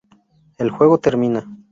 El juego termina.